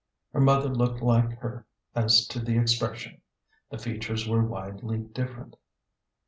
Her mother looked like her as to the expression; the features were widely dif 242 A GENTLE GHOST. ferent.